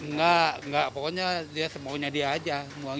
nggak pokoknya semuanya dia aja